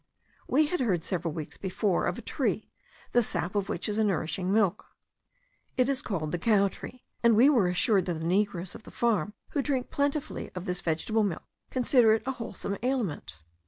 We had heard, several weeks before, of a tree, the sap of which is a nourishing milk. It is called the cow tree; and we were assured that the negroes of the farm, who drink plentifully of this vegetable milk, consider it a wholesome aliment.